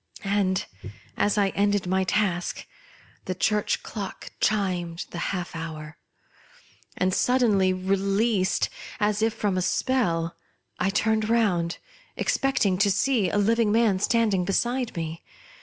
and, as I ended my task, the church clock chimed the half hour ; and, suddenly released, as if from a spell, I turned round, expecting to see a living man standing beside me.